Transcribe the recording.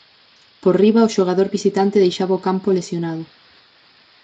Por riba, o xogador visitante deixaba o campo lesionado.